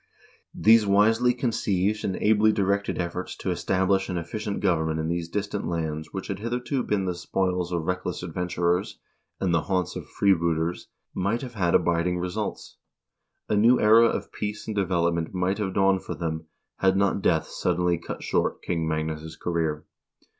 These wisely conceived and ably directed efforts to establish an efficient government in these distant islands which had hitherto been the spoils of reckless adventurers, and the haunts of freebooters, might have had abiding results; a new era of peace and development might have dawned for them, had not death suddenly cut short King Magnus' career.